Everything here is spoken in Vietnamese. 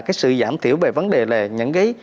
cái sự giảm thiểu về vấn đề là những cái